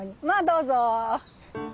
まあどうぞ。